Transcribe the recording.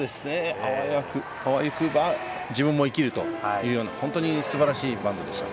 あわよくば自分も生きるというような本当にすばらしいバントでした。